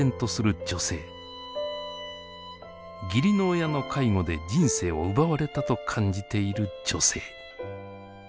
義理の親の介護で人生を奪われたと感じている女性。